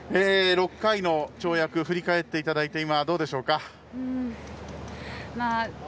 ６回の跳躍を振り返っていただいて今、どうでしょうか。